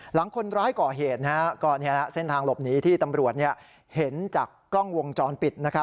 หลังคนร้ายก่อเหตุเส้นทางหลบหนีที่ตำรวจเห็นจากกล้องวงจรปิด